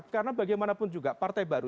karena bagaimanapun juga partai baru